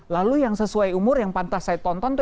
lalu yang sesuai umur yang pantas saya tonton tuh